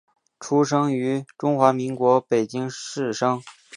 出生于中华民国北京市生。